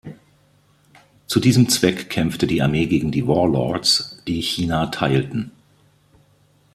Zu diesem Zweck kämpfte die Armee gegen die Warlords, die China teilten.